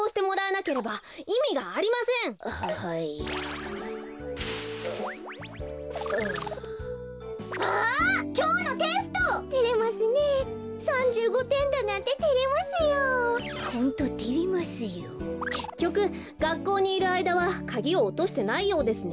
けっきょくがっこうにいるあいだはカギをおとしてないようですね。